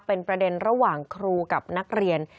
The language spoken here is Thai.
เป็นประเด็นระหว่างครูกับนักเรียน